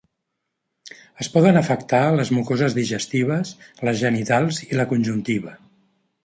Es poden afectar les mucoses digestives, les genitals i la conjuntiva.